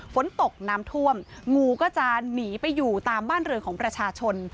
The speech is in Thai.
ฝนตกน้ำท่วมงูก็จะหนีไปอยู่ตามบ้านเรือนของประชาชน